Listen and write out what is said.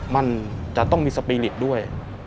มันจะต้องมีฝีภาษณ์ด้วย